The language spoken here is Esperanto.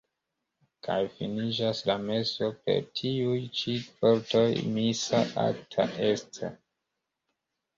Kaj finiĝas la meso per tuj ĉi vortoj: "Missa acta est.